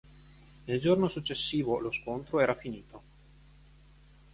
Il giorno successivo, lo scontro era finito.